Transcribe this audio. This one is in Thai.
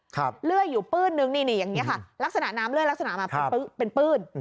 เลื่อยอยู่ปื้นนึงนี่นี่อย่างเงี้ค่ะลักษณะน้ำเลื่อยลักษณะมาเป็นปื้น